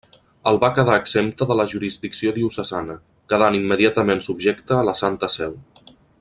El va quedar exempta de la jurisdicció diocesana, quedant immediatament subjecta a la Santa Seu.